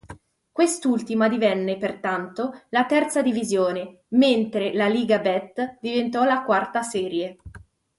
Quest'ultima divenne, pertanto, la terza divisione, mentre la Liga Bet diventò la quarta serie.